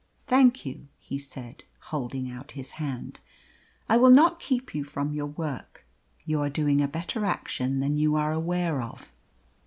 "Thank you," he said, holding out his hand. "I will not keep you from your work. You are doing a better action than you are aware of."